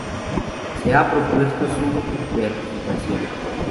Se ha propuesto su beatificación.